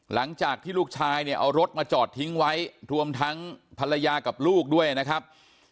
หลังจากที่ลูกชายเนี่ยเอารถมาจอดทิ้งไว้รวมทั้งภรรยากับลูกด้วยนะครับ